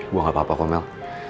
gue gak apa apa kok mel